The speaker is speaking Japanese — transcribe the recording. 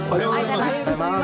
おはようございます。